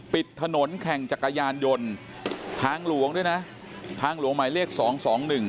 ปิดถนนแข่งจักรยานยนต์ทางหลวงด้วยนะทางหลวงหมายเลขสองสองหนึ่ง